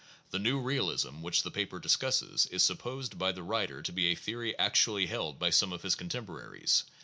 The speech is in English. — The new realism which the paper discusses is sup posed by the writer to be a theory actually held by some of his contemporaries.